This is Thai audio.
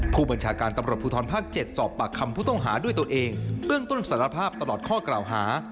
ผู้บัญชาการตำรวจภูทรภาค๗สอบปากคำผู้ต้องหาด้วยตัวเองเบื้องต้นสารภาพตลอดข้อกล่าวหา